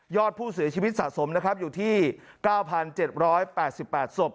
อดผู้เสียชีวิตสะสมนะครับอยู่ที่๙๗๘๘ศพ